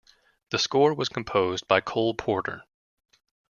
The score was composed by Cole Porter.